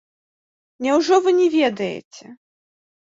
Няўжо вы не ведаеце?